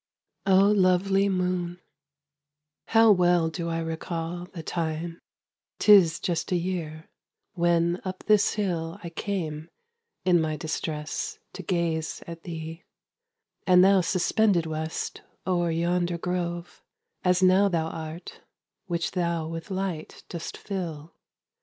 O lovely moon, how well do I recall The time,—'tis just a year—when up this hill I came, in my distress, to gaze at thee: And thou suspended wast o'er yonder grove, As now thou art, which thou with light dost fill.